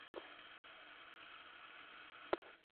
এটা বিতর্কের জন্ম দিয়েছে, স্যার।